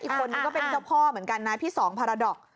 อีกคนนึงก็เป็นเจ้าพ่อเหมือนกันนะพี่สองพาราดอก